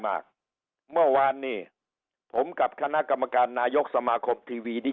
มากเมื่อวานนี้ผมกับคณะกรรมการนายกสมาคมทีวีดิ